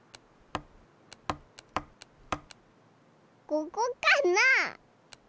ここかな？